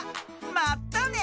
まったね！